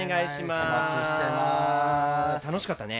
楽しかったね。